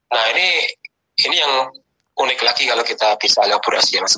nah ini ini yang unik lagi kalau kita bisa elaborasi